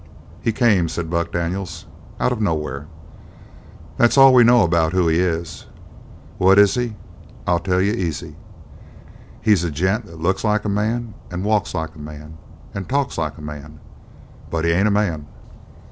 "He came," said Buck Daniels, "out of nowhere. That's all we know about who he is. What is he? I'll tell you easy: He's a gent that looks like a man, and walks like a man, and talks like a man but he ain't a man."